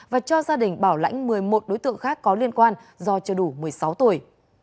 và cho gia đình bảo lãnh một mươi một đối tượng khác có liên quan do chưa đủ một mươi sáu tuổi